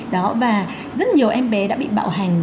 đó và rất nhiều em bé đã bị bạo hành